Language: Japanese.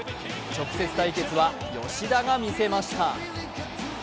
直接対決は吉田が見せました。